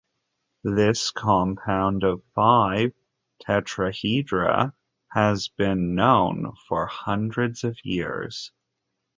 This compound of five tetrahedra has been known for hundreds of years.